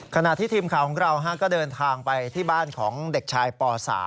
ขณะที่ทีมข่าวของเราก็เดินทางไปที่บ้านของเด็กชายป๓